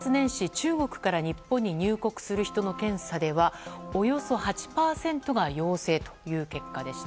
中国から日本に入国する人の検査ではおよそ８％が陽性という結果でした。